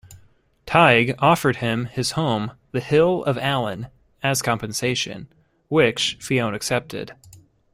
Tadg offered him his home, the hill of Allen, as compensation, which Fionn accepted.